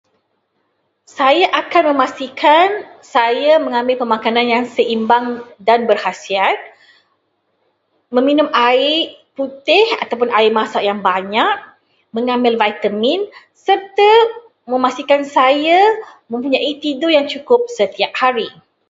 Saya akan memastikan saya mengambil pemakanan yang seimbang dan berkhasiat, meminum air putih atau air masak yang banyak, mengambil vitamin serta memastikan saya mempunyai tidur yang cukup setiap hari.